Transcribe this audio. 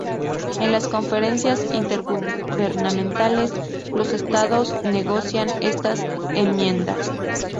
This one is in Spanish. En las conferencias intergubernamentales los Estados negocian estas enmiendas.